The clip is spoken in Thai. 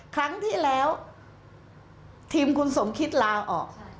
ครั้งที่แล้วทีมคุณสมคิดลาออก